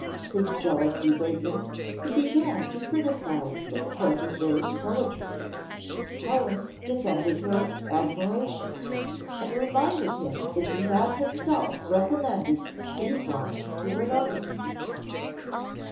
His jealousy wakened he began to criticise his protegée's poetry. Helen defended her admiration, and reminded him that he had himself recommended these lines to her notice.